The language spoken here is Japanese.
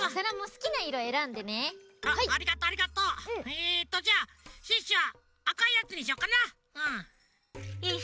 えっとじゃあシュッシュはあかいやつにしよっかなうん。